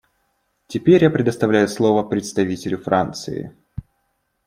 Теперь я предоставляю слово представителю Франции.